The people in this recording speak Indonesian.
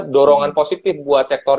dorongan positif buat sektor